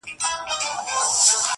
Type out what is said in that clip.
هغه د هر مسجد و څنگ ته ميکدې جوړي کړې.